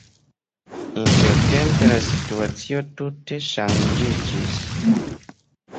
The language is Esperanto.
Intertempe la situacio tute ŝanĝiĝis.